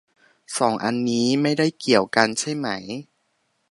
สองอันนี้ไม่ได้เกี่ยวกันใช่ไหม